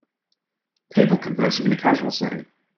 People conversing in a casual setting.